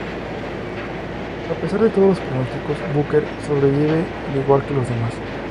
A pesar de todos los pronósticos, Booker sobrevive al igual que los demás.